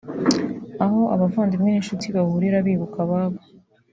aho abavandimwe n’ inshuti bahurira bibuka ababo